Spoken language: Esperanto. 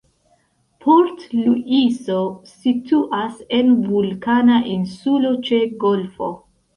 Port-Luiso situas en vulkana insulo ĉe golfo.